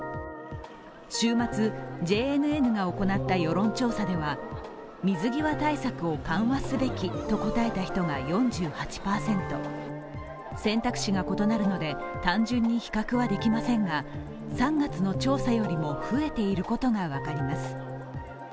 週末、ＪＮＮが行った世論調査では、水際対策を緩和すべきと答えた人が４８％、選択肢が異なるので単純に比較はできませんが３月の調査よりも増えていることが分かります。